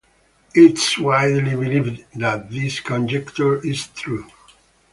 It is widely believed that this conjecture is true.